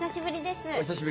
お久しぶ